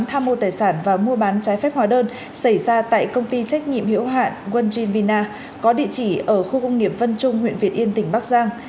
tham mô tài sản và mua bán trái phép hóa đơn xảy ra tại công ty trách nhiệm hiệu hạn wonjin vina có địa chỉ ở khu công nghiệp vân trung huyện việt yên tỉnh bắc giang